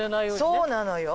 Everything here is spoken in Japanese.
そうなのよ。